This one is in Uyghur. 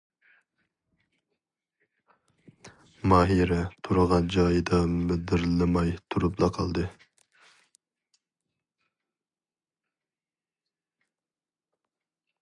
ماھىرە تۇرغان جايىدا مىدىرلىماي تۇرۇپلا قالدى.